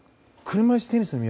車いすテニスの魅力